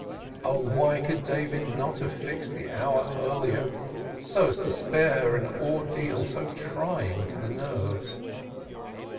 Oh, why could David not have fixed the hour earlier, so as to spare her an ordeal so trying to the nerves?